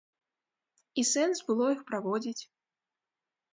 І сэнс было іх праводзіць?